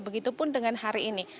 begitupun dengan hari ini